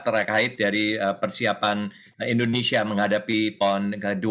terkait dari persiapan indonesia menghadapi pon dua puluh